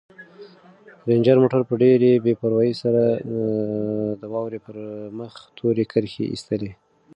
رنجر موټر په ډېرې بې پروايۍ سره د واورې پر مخ تورې کرښې ایستلې.